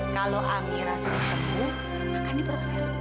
kalau amirah sudah sembuh akan diproses